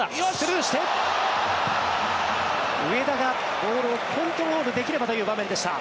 上田がボールをコントロールできればという場面でした。